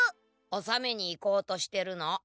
おさめに行こうとしてるの。